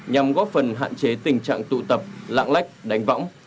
nhằm góp phần hạn chế tình trạng tụ tập lạng lách đánh võng